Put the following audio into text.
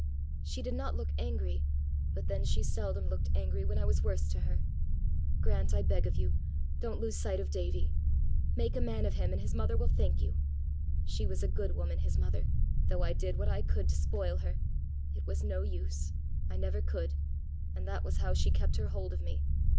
She did not look angry, but then she seldom looked angry when I was worst to her! Grant, I beg of you, don't lose sight of Davie. Make a man of him, and his mother will thank you. She was a good woman, his mother, though I did what I could to spoil her! It was no use! I never could! and that was how she kept her hold of me.